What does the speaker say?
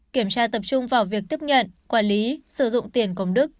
kiểm tra tập trung vào việc tiếp nhận quản lý sử dụng tiền công đức